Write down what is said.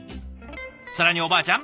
更におばあちゃん